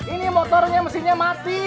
ini motornya mesinnya mati